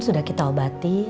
sudah kita obati